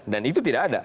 dan itu tidak ada